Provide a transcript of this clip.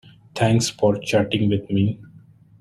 Thanks for chatting with me.